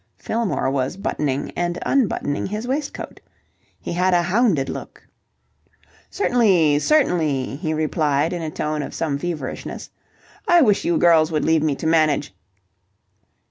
Fillmore was buttoning and unbuttoning his waistcoat. He had a hounded look. "Certainly, certainly," he replied in a tone of some feverishness. "I wish you girls would leave me to manage..."